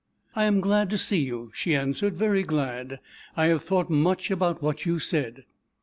"I am glad to see you," she answered, "very glad; I have thought much about what you said."